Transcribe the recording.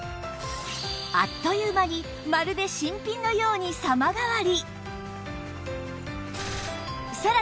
あっという間にまるで新品のように様変わり！